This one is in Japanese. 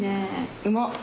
うまっ。